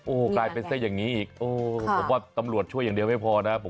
โอ้โหกลายเป็นซะอย่างนี้อีกโอ้ผมว่าตำรวจช่วยอย่างเดียวไม่พอนะ